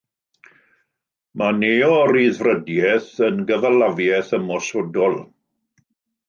Mae Neo-Ryddfrydiaeth yn Gyfalafiaeth ymosodol.